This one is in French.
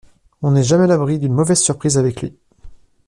On n'est jamais à l'abri d'une mauvaise surprise avec lui.